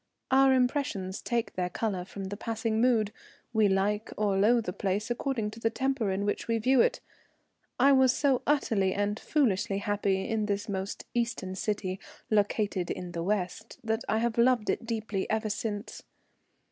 Our impressions take their colour from the passing mood; we like or loathe a place according to the temper in which we view it. I was so utterly and foolishly happy in this most Eastern city located in the West that I have loved it deeply ever since.